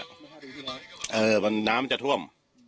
น้ำมันจะท่วม